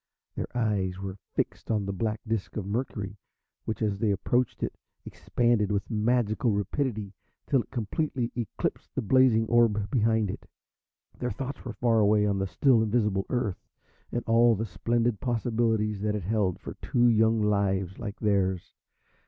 Their eyes were fixed on the black disc of Mercury, which, as they approached it, expanded with magical rapidity till it completely eclipsed the blazing orb behind it. Their thoughts were far away on the still invisible Earth and all the splendid possibilities that it held for two young lives like theirs.